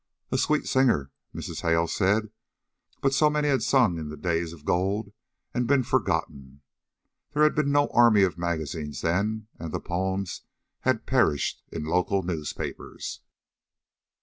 A sweet singer, Mrs. Hale said; but so many had sung in the days of gold and been forgotten. There had been no army of magazines then, and the poems had perished in local newspapers.